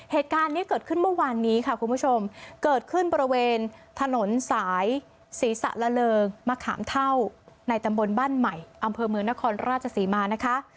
เหตุการณ์นี้เกิดขึ้นเมื่อวานนี้ค่ะคุณผู้ชมเกิดขึ้นบริเวณถนนสายศรีสะละเริงมะขามเท่าในตำบลบ้านใหม่อำเภอเมืองนครราชศรีมานะคะ